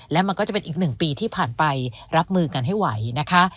และมันก็จะเป็นอีก๑ปีที่ผ่านไปรับมือกันให้ไหวนะคะ